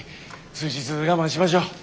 数日我慢しましょう。